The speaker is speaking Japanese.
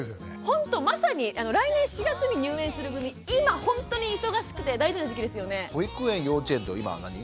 ほんとまさに来年４月に入園する組今ほんとに忙しくて大事な時期ですよね。